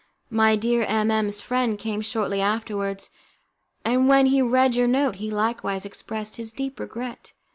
My dear M M 's friend came shortly afterwards, and when he read your note he likewise expressed his deep regret.